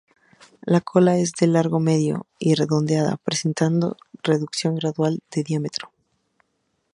La cola es de largo medio y redondeada presentando reducción gradual de diámetro.